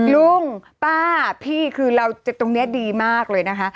ลุงป้าพี่คือเราตรงนี้ดีมากเลยนะคะ